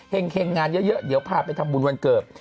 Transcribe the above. เห็งงานเยอะเดี๋ยวพาไปทำบุญวันเกิด